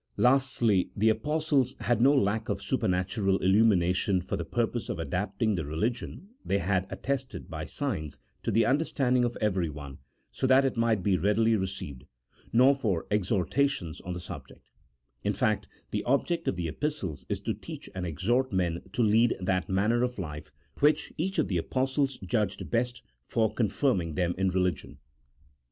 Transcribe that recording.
Lastly, the Apostles had no lack of supernatural illumi nation for the purpose of adapting the religion they had attested by signs to the understanding of everyone so that it might be readily received ; nor for exhortations on the subject: in fact, the object of the Epistles is to teach and exhort men to lead that manner of life which each of the Apostles judged best for confirming them in religion.